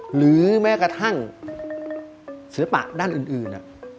หรือแม้กระทั่งศิลปะด้านอื่น